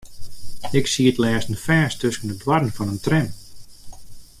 Ik siet lêsten fêst tusken de doarren fan in tram.